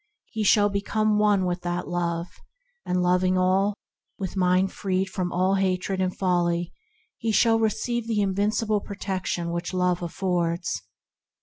He shall become one with that divine Love, and loving all, with mind freed from all hatred and folly, he shall receive the invincible protection that Love affords.